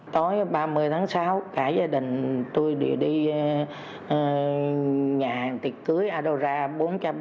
tối ba mươi tháng sáu cả gia đình tôi đi nhà hàng tiệc cưới adora center